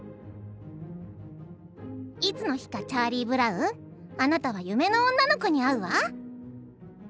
「いつの日かチャーリー・ブラウンあなたは夢の女の子に会うわ」。